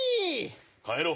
帰ろう。